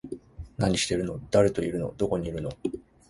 何してるの？誰といるの？どこにいるの？